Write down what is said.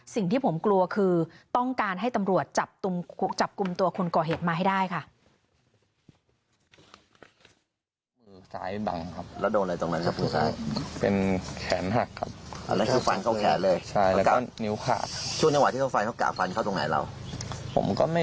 สิ่งที่ผมกลัวคือต้องการให้ตำรวจจับกลุ่มตัวคนก่อเหตุมาให้ได้ค่ะ